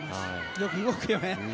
よく動くよね。